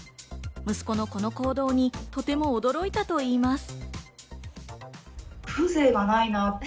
息子のこの行動にとても驚いたといいます。